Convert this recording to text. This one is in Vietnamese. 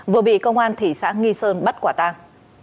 vừa bị công an thị xã nghi sơn bắt quả tang